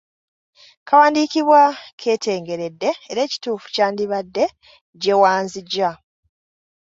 Kawandiikibwa keetengeredde era ekituufu kyandibadde 'gye wanzigya'.